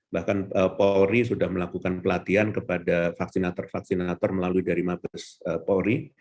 bahkan polri sudah melakukan pelatihan kepada vaksinator vaksinator melalui dari mabes polri